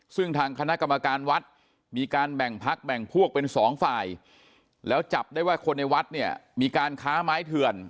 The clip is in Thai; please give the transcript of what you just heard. ซึ่งทางคณะกรรมการวัดมีการแบ่งพักแบ่งพวกเป็นสองฝ่ายแล้วจับได้ว่าคนในวัดเนี่ยมีการค้าไม้เถื่อน